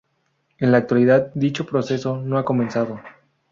En la actualidad dicho proceso no ha comenzado.